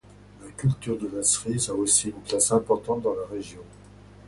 La culture de la cerise a aussi une place importance dans la région.